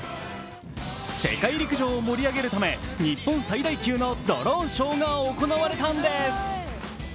世界陸上を盛り上げるため日本最大級のドローンショーが行われたんです。